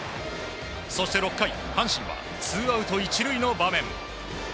そして６回、阪神はツーアウト１塁の場面。